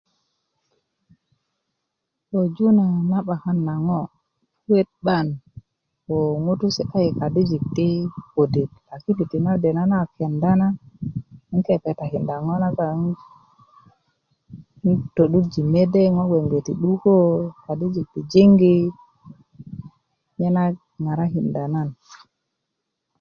koju na nan 'bakan ŋo puet 'ban wo ŋutu si'da i kadijik ti kudit lakin ti nade nan kenda na 'n ke petakinda ŋo nagon 'n to'durji mede bgeti 'duko kadijik ti jingi nyena ŋarakinda nan